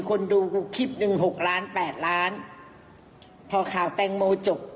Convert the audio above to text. คนดูกูคิดหนึ่ง๖ล้าน๘ล้านพอค่าวแตงโมบ้างจบ